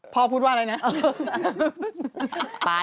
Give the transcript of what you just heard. พูดว่าอะไรนะ